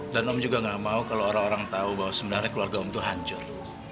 dan om juga gak mau kalau orang orang tau bahwa sebenarnya keluarga om itu hancur